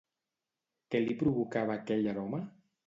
Què li provocava aquell aroma?